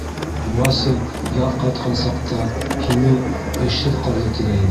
Вася яҙ ҡайтҡан саҡта, һине, эшһеҙ ҡалды, тигәйне.